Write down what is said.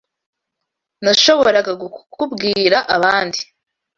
Nashoboraga kukubwira abandi